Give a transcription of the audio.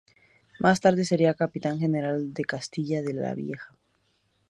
Más tarde sería Capitán General de Castilla la Vieja.